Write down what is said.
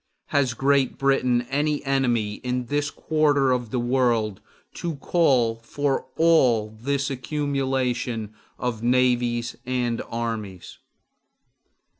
Has Great Britain any enemy in this quarter of the world to call for all this accumulation of navies and armies?